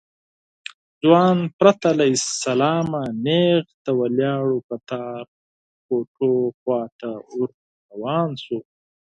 ځوان پرته له سلامه نېغ د ولاړو کتار کوټو خواته ور روان شو.